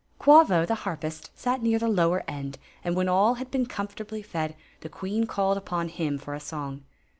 Quavo the harpist sat near the lower end ; and, when all had been comfortably fed, the queen called upon him for a song.